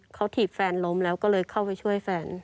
เขาถีบแฟนล้มแล้วก็เลยเข้าไปช่วยแฟน